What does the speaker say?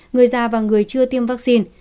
người già và người chưa tiêm vaccine